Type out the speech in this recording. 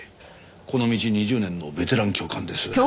この道２０年のベテラン教官です。